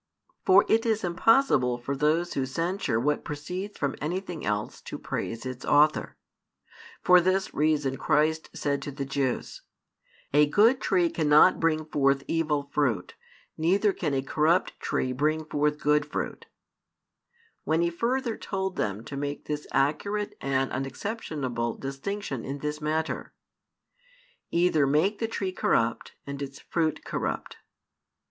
For it is impossible for those who censure what proceeds from anything else to praise its author. For this reason Christ said to the Jews: A good tree cannot bring forth evil fruit: neither can a corrupt tree bring forth good fruit; when He further told them to make this accurate and unexceptionable distinction in this matter: Either make the tree corrupt and its fruit corrupt.